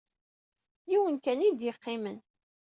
Yiwen kan ay iyi-d-yeqqimen.